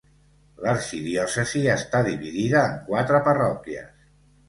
L'arxidiòcesi està dividida en quatre parròquies.